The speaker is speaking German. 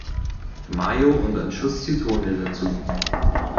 Mayo und ein Schuss Zitrone dazu.